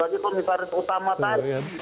sebagai komisaris utama tadi